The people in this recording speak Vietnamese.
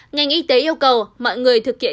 ngành y tế yêu cầu mọi người thực hiện